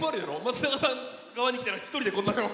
松永さん側に来たら一人でこんな。